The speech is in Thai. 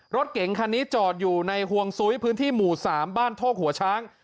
รถเก๋งคันนี้จอดอยู่ในห่วงซุ้ยพื้นที่หมู่๓บ้านโคกหัวช้าง